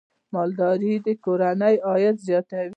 مالدارۍ د کورنیو عاید زیاتوي.